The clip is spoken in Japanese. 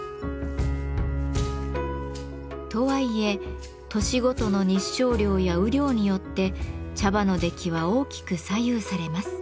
とはいえ年ごとの日照量や雨量によって茶葉の出来は大きく左右されます。